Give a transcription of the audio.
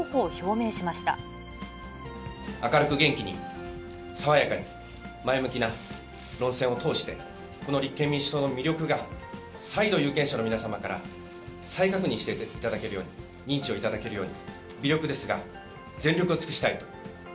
明るく元気に爽やかに前向きな論戦を通して、この立憲民主党の魅力が、再度、有権者の皆様から再確認していただけるように、認知をいただけるように、微力ですが、全力を尽くしたいと。